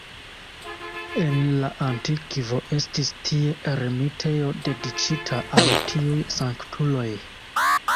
En la antikvo estis tie ermitejo dediĉita al tiuj sanktuloj.